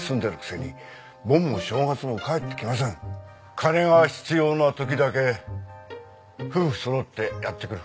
金が必要な時だけ夫婦そろってやって来る。